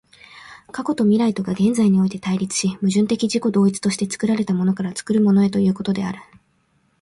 過去と未来とが現在において対立し、矛盾的自己同一として作られたものから作るものへということである。